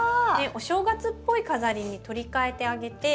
お正月っぽい飾りに取り替えてあげて。